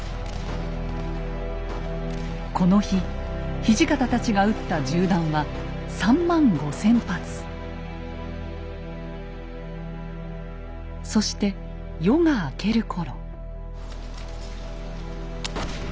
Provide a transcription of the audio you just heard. この日土方たちが撃った銃弾はそして夜が明ける頃。